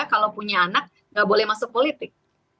kalau punya anak nggak boleh masuk politik